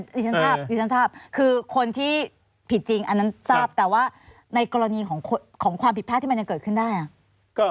ดิฉันทราบดิฉันทราบคือคนที่ผิดจริงอันนั้นทราบแต่ว่าในกรณีของความผิดพลาดที่มันยังเกิดขึ้นได้